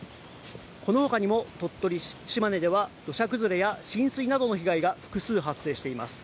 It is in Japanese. このほかにも鳥取、島根では、土砂崩れや浸水などの被害が複数発生しています。